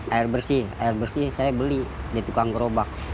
air bersih air bersih saya beli di tukang gerobak